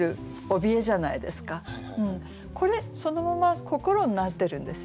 これそのまま「心」になってるんですよね。